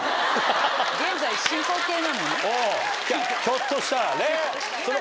ひょっとしたらね。